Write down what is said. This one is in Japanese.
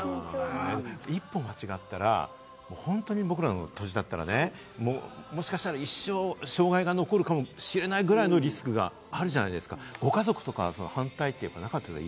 一歩間違ったら本当に僕らの年だったらね、もしかしたら一生障害が残るかもしれないぐらいのリスクがあるじゃないですか、ご家族とか反対とかなかったですか？